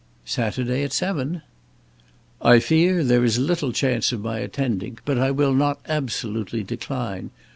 "Saturday at seven." "I fear there is little chance of my attending, but I will not absolutely decline.